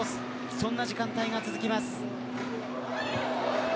そんな時間帯が続きます。